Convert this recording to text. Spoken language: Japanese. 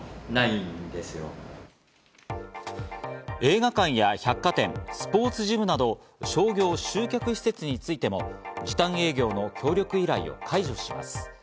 映画館や百貨店、スポーツジムなど商業・集客施設についても時短営業の協力依頼を解除します。